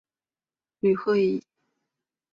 吕赫伊。